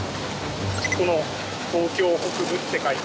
この「東京北部」って書いた。